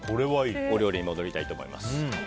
お料理に戻りたいと思います。